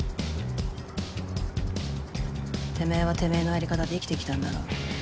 てめぇはてめぇのやり方で生きてきたんだろ。